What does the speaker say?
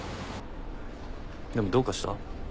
でもどうかした？